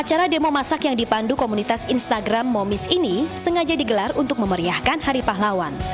acara demo masak yang dipandu komunitas instagram momis ini sengaja digelar untuk memeriahkan hari pahlawan